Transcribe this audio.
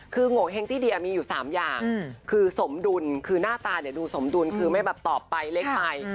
คือโงเห้งที่เดียมีอยู่๓อย่างคือสมดุลคือหน้าตาเนี่ยดูสมดุลคือไม่แบบตอบไปเล็กไป